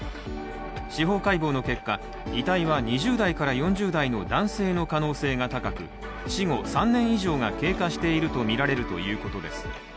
司法解剖の結果、遺体は２０代から４０代の男性の可能性が高く死後３年以上が経過しているとみられるということです。